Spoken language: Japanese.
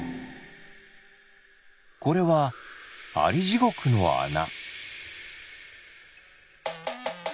これはアリジゴクのあな。